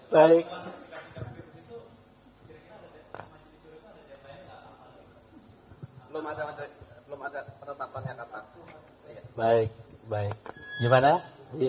saya kira itu sudah menjadi